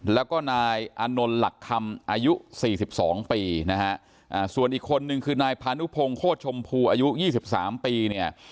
แล้วก็นายอานนท์หลักคำอายุ๔๒ปีนะฮะส่วนอีกคนนึงคือนายพานุพงศ์โคตรชมพูอายุ๒๓ปีเนี่ย